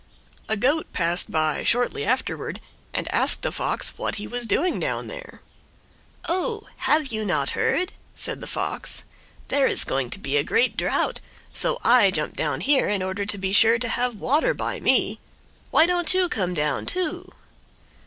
A Goat passed by shortly afterward, and asked the Fox what he was doing down there. "Oh, have you not heard?" said the Fox; "there is going to be a great drought, so I jumped down here in order to be sure to have water by me. Why don't you come down, too?"